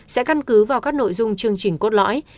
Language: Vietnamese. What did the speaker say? sẽ căn cứ vào các nội dung chương trình cốt lõi